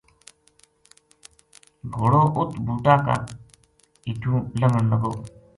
گھوڑو اُت بوٹا کا ہیٹو لنگھن لگو